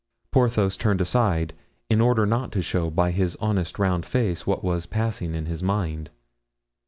Porthos turned aside, in order not to show by his honest round face what was passing in his mind.